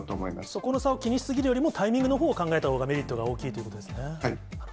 そこの差を気にしすぎるよりも、タイミングのほうを考えたほうがいいということですね。